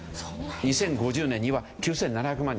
２０５０年には９７００万人。